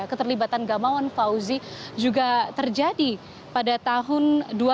keterlibatan gamawan fauzi juga terjadi pada tahun dua ribu